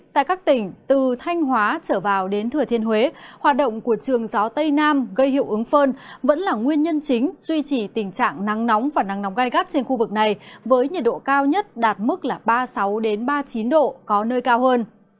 tại các tỉnh từ thanh hóa trở vào đến thừa thiên huế hoạt động của trường gió tây nam gây hiệu ứng phơn vẫn là nguyên nhân chính duy trì tình trạng nắng nóng và nắng nóng gai gắt trên khu vực này với nhiệt độ cao nhất đạt mức ba mươi sáu ba mươi chín độ có nơi cao hơn